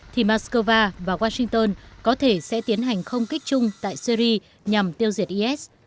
thì moscow và washington có thể sẽ tiến hành không kích chung tại syri nhằm tiêu diệt is